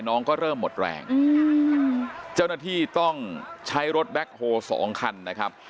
น้องก็เริ่มหมดแรงเจ้าหน้าที่ต้องใช้รถแบ็คโฮสองคันนะครับ